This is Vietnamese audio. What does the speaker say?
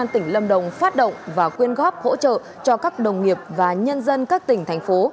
tỉnh lâm đồng phát động và quyên góp hỗ trợ cho các đồng nghiệp và nhân dân các tỉnh thành phố